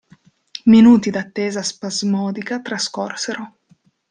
Minuti d'attesa spasmodica trascorsero.